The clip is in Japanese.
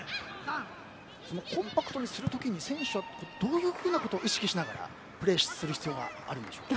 コンパクトにする時に選手はどういうことを意識しながらプレーする必要があるんでしょうか。